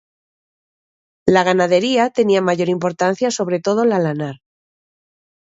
La ganadería tenía mayor importancia sobre todo la lanar.